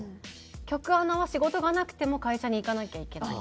局アナは仕事がなくても会社に行かなきゃいけない。